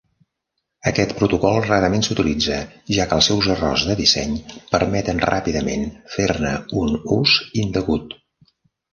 Aquest protocol rarament s'utilitza, ja que els seus errors de disseny permeten ràpidament fer-ne un ús indegut.